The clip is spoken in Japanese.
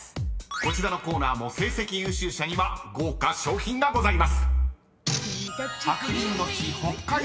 ［こちらのコーナーも成績優秀者には豪華賞品がございます］